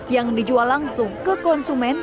yang dijual langsung ke konsumen